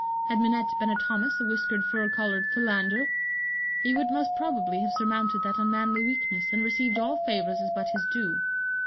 Had Minette been a Thomas, a whiskered fur collared Philander, he would most probably have surmounted that unmanly weakness, and received all favours as but his due.